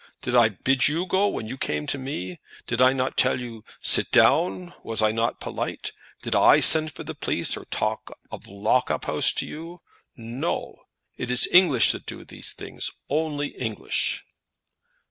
Did I bid you go when you came to me? Did I not tell you, sit down? Was I not polite? Did I send for a police? or talk of lock up ouse to you? No. It is English that do these things; only English."